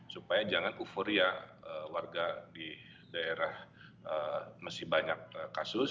supaya jangan euforia warga di daerah masih banyak kasus